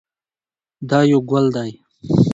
دا یو ګل دی.